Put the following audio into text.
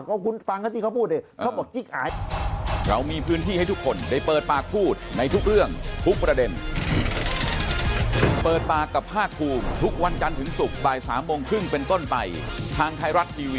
อ่ะคุณฟังกันที่เขาพูดเองเขาบอกจิ๊กหาย